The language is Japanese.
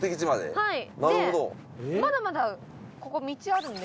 はいでまだまだここ道あるので。